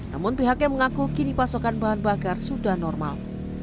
namun pihaknya mengaku kini pasokan bahan bakar sudah normal